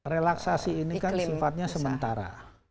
relaksasi ini kan sifatnya sementara